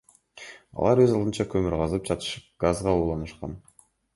Алар өз алдынча көмүр казып жатышып газга улаанышкан.